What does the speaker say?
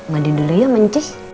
mandiin dulu ya mancis